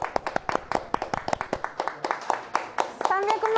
３００万